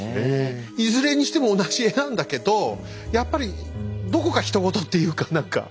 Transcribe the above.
いずれにしても同じ絵なんだけどやっぱりどこかひと事っていうか何か。